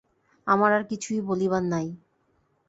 আমার আর কিছুই বলিবার নাই।